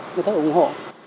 người ta ủng hộ